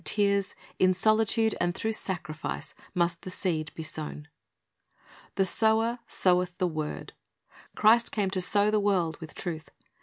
^■f^ tears, in solitude, and through sacrifice, must the seed be sown. "The sower soweth the word." Christ came to sow the world with truth.